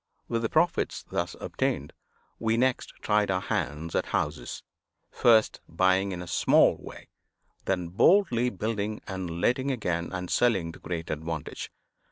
With the profits thus obtained, we next tried our hands at houses first buying in a small way, then boldly building, and letting again and selling to great advantage.